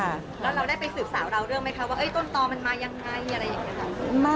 แล้วเราได้ไปสื่อสาวเราเรื่องไหมคะ